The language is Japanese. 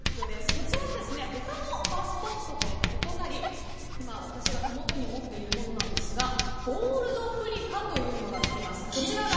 こちらは他のパスポートと異なり今、私が手元に持っているものですがゴールドプリカというものが付きます。